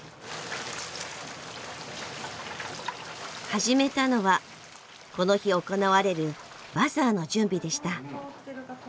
始めたのはこの日行われるバザーの準備でした。